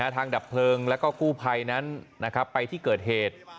ทางดับเพลิงและกู้ไพรนั้นไปที่เกิดเหตุ